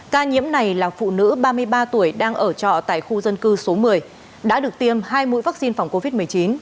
ca nhiễm này là phụ nữ ba mươi ba tuổi đang ở trọ tại khu dân cư số một mươi đã được tiêm hai mũi vaccine phòng covid một mươi chín